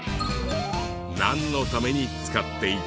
なんのために使っていた？